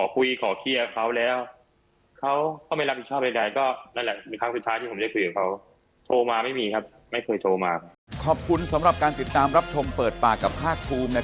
เขาไม่รับผิดชอบใด